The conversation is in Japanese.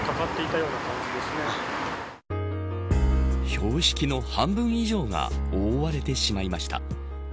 標識の半分以上が覆われてしまいました。